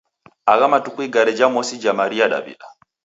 Agha matuku igare ja mosi jamaria Dawida.